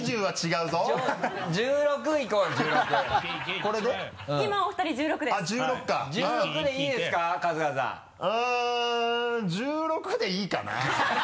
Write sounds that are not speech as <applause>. うん１６でいいかな <laughs>